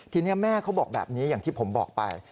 ทีนี้แม่เขาบอกแบบนี้อย่างที่ผมบอกไป